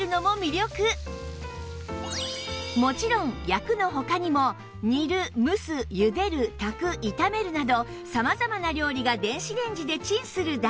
もちろん焼くの他にも煮る蒸す茹でる炊く炒めるなど様々な料理が電子レンジでチンするだけ